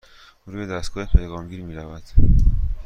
روی دستگاه پیغام گیر می رود.